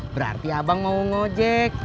berarti abang mau ngojek